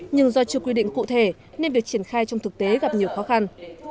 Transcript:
nhưng do chưa quy định cụ thể nên việc triển khai trong thực tế gặp nhiều khó khăn